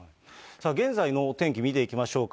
現在のお天気見ていきましょうか。